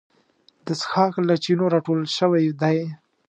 دا څښاک له چینو راټول شوی دی.